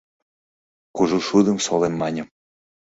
Кужу шудым солем маньым -